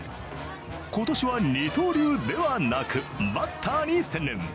今年は二刀流ではなくバッターに専念。